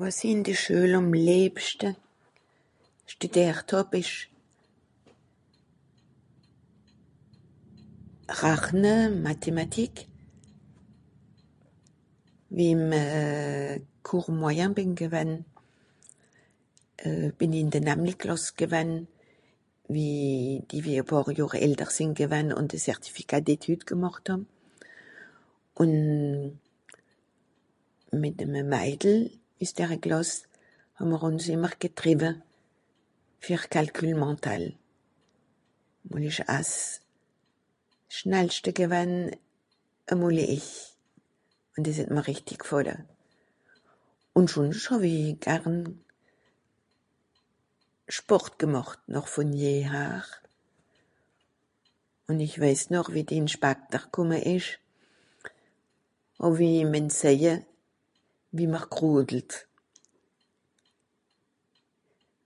Wàs i ìn de Schuel àm lìebschte stüdìert hàb ìsch rachne, Mathematik, mi'm euh... cours moyen bìn gewann, euh... bìn ìn de namli Klàss gewann wie die wie e pààr Johr àlter sìnn gewann ùn de Certificat d'Etude gemàchte hàn. Ùn mìt'eme Maidel üs der Klàss hàà'mr ùns ìmmer getriwe fer Calcul mental. Ùn (...) schnallschte gewann (...). Ùn dìs het mr rìchti gfàlle, ùn schùnsch hàw-i garn... Sport gemàcht noch vùn je har, ùn ìch weis noch wie de Inspaktor kùmme ìsch hàw-i ìhm mìen säje, wie mr (...).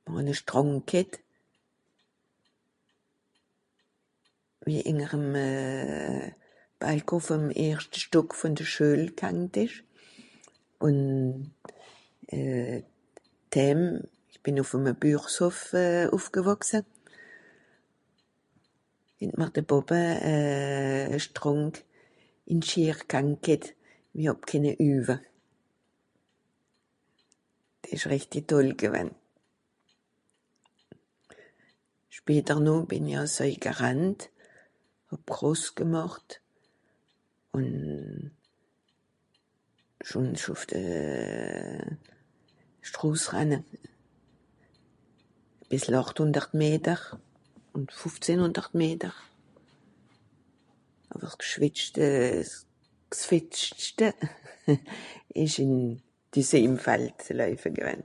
Mìr hàn e Strànd ghet, wie ìnger'm euh... Balcon vùm erschte Stock vùn de Schuel (...) ìsch. Ùn euh... dhääm, ìch bìn ùf'eme Bürshof ùffgewàchse, het mr de Pàppe euh... Strànd (...) ghet, i hàb kenne üwe. Dìs ìsch rìchti Toll gewann. Später noh bìn i àls oei gerannt, hàb Cross gemàcht, ùn schùnsch ùff de Stros ranne, bìssel àchthùndert Meter, ùn fùfzehnhùndert Meter, àwer gschwìtschte, s'gfìztschte ìsch ìm... dìs ìsch ìm Fald loeife gewann.